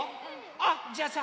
あっじゃあさ